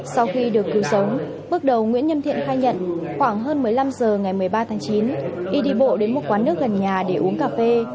sau khi được cứu sống bước đầu nguyễn nhâm thiện khai nhận khoảng hơn một mươi năm h ngày một mươi ba tháng chín y đi bộ đến một quán nước gần nhà để uống cà phê